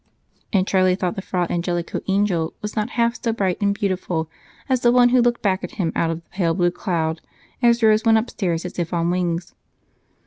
And Charlie thought the Fra Angelico angel was not half so bright and beautiful as the one who looked back at him out of a pale blue cloud as Rose went upstairs as if on wings.